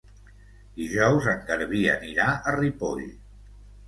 Dijous en Garbí anirà a Ripoll.